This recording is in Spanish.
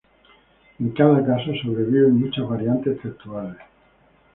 En cada caso sobreviven muchas variantes textuales.